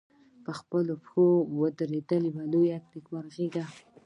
په خپلو پښو ودرېدل لویه نېکمرغي ده.